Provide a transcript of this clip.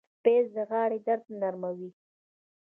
پیاز د غاړې درد نرموي